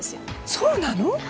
そうなの？